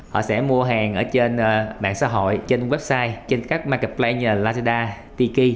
họ sẽ mua hàng ở trên mạng xã hội trên website trên các marketplace như là lazada tiki